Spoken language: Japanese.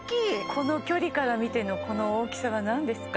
この距離から見てのこの大きさはなんですか？